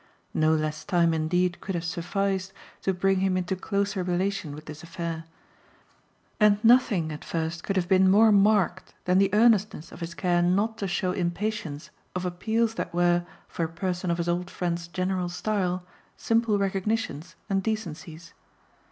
No less time indeed could have sufficed to bring him into closer relation with this affair, and nothing at first could have been more marked than the earnestness of his care not to show impatience of appeals that were, for a person of his old friend's general style, simple recognitions and decencies.